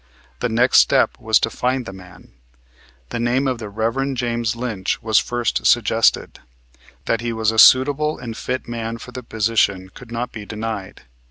The next step was to find the man. The name of the Rev. James Lynch was first suggested. That he was a suitable and fit man for the position could not be denied.